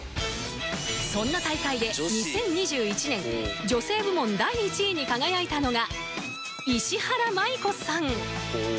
そんな大会で２０２１年女性部門第１位に輝いたのが石原麻衣子さん